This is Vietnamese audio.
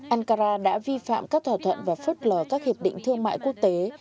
ankara đã vi phạm các thỏa thuận và phớt lờ các hiệp định thương mại quốc tế